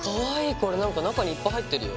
これなんか中にいっぱい入ってるよ。